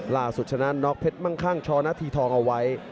ล่าสุดชนะนอกเพชรมั่งข้างช้อนที่ทองเอาไว้